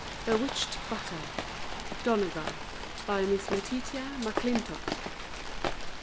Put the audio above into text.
BEWITCHED BUTTER (DONEGAL). MISS LETITIA MACLINTOCK.